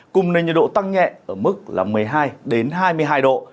cùng nền nhiệt độ tăng nhẹ ở mức năm mươi hai đến hai mươi hai độ